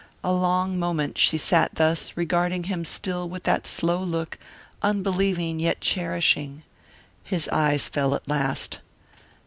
A long moment she sat thus, regarding him still with that slow look, unbelieving yet cherishing. His eyes fell at last.